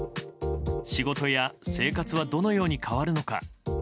仕事や生活はどのように変わるのか。